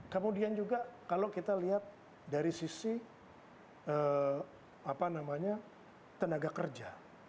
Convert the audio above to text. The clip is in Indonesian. kemudian juga kalau kita lihat dari sisi tenaga kerja